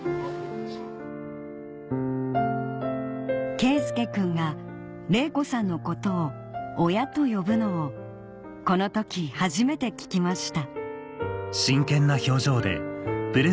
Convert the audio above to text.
佳祐くんが玲子さんのことを親と呼ぶのをこの時初めて聞きました